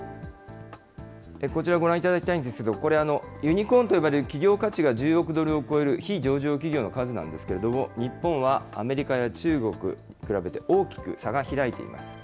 こちら、ご覧いただきたいんですけど、これ、ユニコーンと呼ばれる企業価値が１０億ドルを超える非上場企業の数なんですけれども、日本はアメリカや中国と比べて大きく差が開いています。